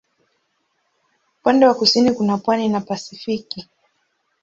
Upande wa kusini kuna pwani na Pasifiki.